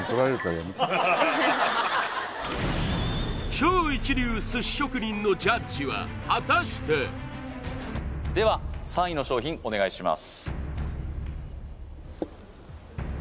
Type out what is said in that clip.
超一流寿司職人のジャッジは果たしてでは３位の商品お願いします